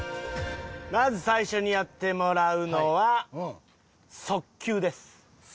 まず最初にやってもらうのはそっきゅうです。